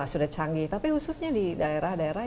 sudah canggih tapi khususnya di daerah daerah